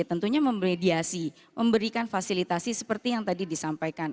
tentunya memediasi memberikan fasilitasi seperti yang tadi disampaikan